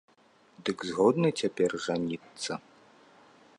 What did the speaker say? Дык згодны цяпер жаніцца?